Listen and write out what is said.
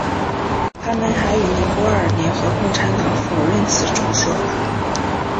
他们还与尼泊尔联合共产党否认此种说法。